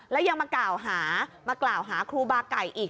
แล้วยังมากล่าวหามากล่าวหาครูบาไก่อีก